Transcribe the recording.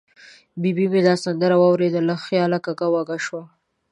ببۍ مې دا سندره واورېده، له خیاله کږه وږه شوه.